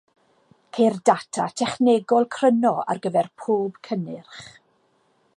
Ceir data technegol cryno ar gyfer pob cynnyrch.